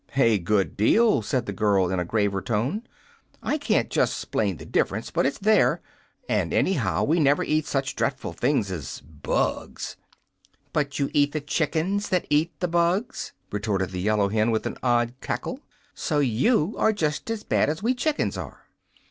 "A good deal," said the girl, in a graver tone. "I can't just 'splain the diff'rence, but it's there. And, anyhow, we never eat such dreadful things as BUGS." "But you eat the chickens that eat the bugs," retorted the yellow hen, with an odd cackle. "So you are just as bad as we chickens are."